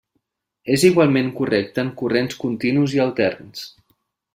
És igualment correcte en corrents continus i alterns.